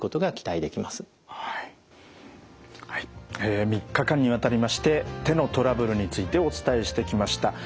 え３日間にわたりまして手のトラブルについてお伝えしてきました。